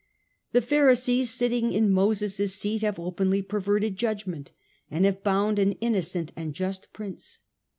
The Pharisees, sitting in Moses's seat, have openly perverted judgment and have bound an innocent and just Prince.